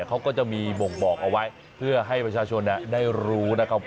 เขาก็จะมีบ่งบอกเอาไว้เพื่อให้ประชาชนได้รู้นะครับ